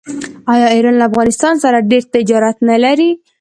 آیا ایران له افغانستان سره ډیر تجارت نلري؟